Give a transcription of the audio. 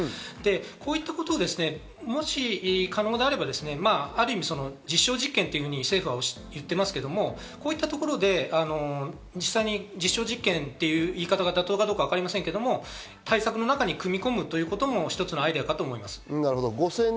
こういったことを、もし可能であれば実証実験というふうに政府は言ってますけど、こういったところで実際に実証実験という言い方が妥当かわかりませんが対策の中に組み込むということも一つのアイデアかと思います。